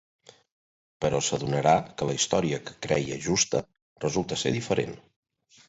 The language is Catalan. Però s'adonarà que la història que creia justa, resulta ser diferent.